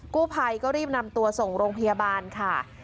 กู้ภัยก็รีบนำตัวส่งโรงพยาบาลค่ะ